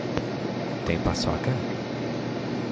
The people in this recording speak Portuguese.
Tem paçoca?